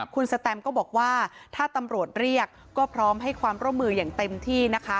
คุณสแตมก็บอกว่าถ้าตำรวจเรียกก็พร้อมให้ความร่วมมืออย่างเต็มที่นะคะ